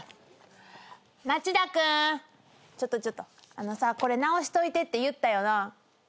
あのさこれ直しといてって言ったよな？